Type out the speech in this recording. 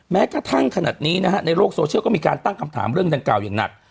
แม้กระทั่งขนาดนี้นะฮะในโลกโซเชียลก็มีการตั้งคำถามเรื่องดังกล่าอย่างหนัก